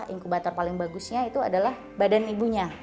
inkubator paling bagusnya itu adalah badan ibunya